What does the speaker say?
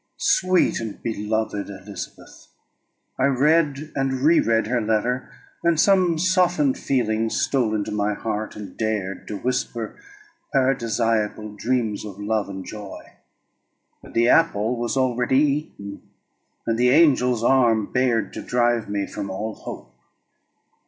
Sweet and beloved Elizabeth! I read and re read her letter, and some softened feelings stole into my heart, and dared to whisper paradisiacal dreams of love and joy; but the apple was already eaten, and the angel's arm bared to drive me from all hope.